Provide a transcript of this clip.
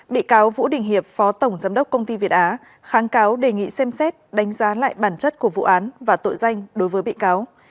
bị cáo vũ đình hiệp phó tổng giám đốc công ty việt á kháng cáo đề nghị xem xét đánh giá lại bản chất của vụ án và tội danh đối với bị cáo